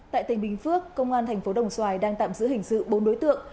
tại tỉnh bình phước công an thành phố đồng xoài đang tạm giữ hình sự bốn đối tượng